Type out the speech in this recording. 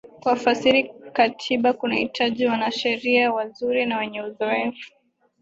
kuafasiri katiba kunahitaji wanasheria wazuri na wenye uzoefu